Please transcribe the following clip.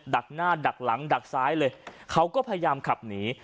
ดักหน้าดักหลังดักซ้ายเลยเขาก็พยายามขับหนี